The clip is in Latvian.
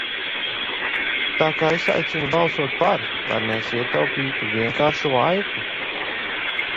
"Tā ka es aicinu balsot "par", lai mēs ietaupītu vienkārši laiku."